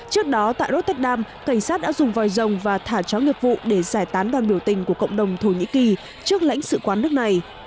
trước đó tại rotterdam cảnh sát đã dùng vòi rồng và thả chó nghiệp vụ để giải tán đoàn biểu tình của cộng đồng thổ nhĩ kỳ trước lãnh sự quán nước này